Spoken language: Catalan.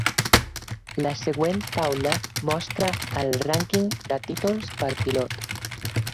La següent taula mostra el Rànquing de títols per pilot.